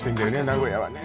名古屋はね